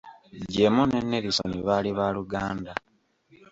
Gemo ne Nelisoni baali ba luganda.